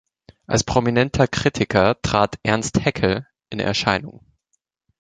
Als prominenter Kritiker trat Ernst Haeckel in Erscheinung.